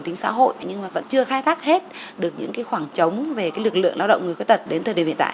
tính xã hội nhưng mà vẫn chưa khai thác hết được những khoảng trống về lực lượng lao động người khuyết tật